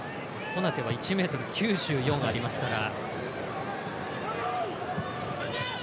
コナテは１ｍ９４ありますから。